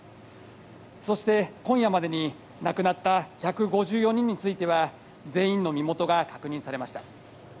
そして、今夜までに亡くなった１５４人については全員の身元が確認されました。